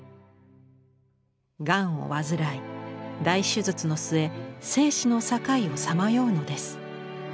がんを患い大手術の末生死の境をさまようのです。